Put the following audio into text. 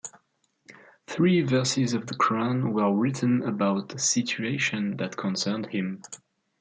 Three verses of the Quran were written about a situation that concerned him.